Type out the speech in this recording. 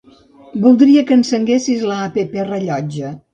Voldria que encenguessis l'app Rellotge.